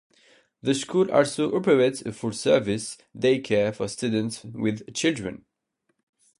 The school also operates a full service day care for students with children.